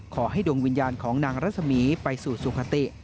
ขอให้ดวงวิญญาณของนางรัศมีร์ไปสู่สุขติ